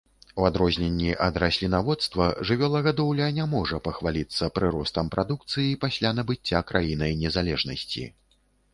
У адрозненні ад раслінаводства, жывёлагадоўля не можа пахваліцца прыростам прадукцыі пасля набыцця краінай незалежнасці.